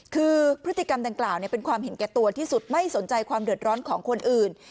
คือพฤติกรรมดังกล่าวเป็นความเห็นแก่ตัวที่สุดไม่สนใจความเดือดร้อนของคนอื่น